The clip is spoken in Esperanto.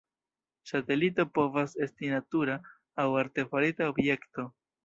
Satelito povas esti natura aŭ artefarita objekto.